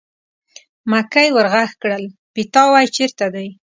مکۍ ور غږ کړل: پیتاوی چېرته دی.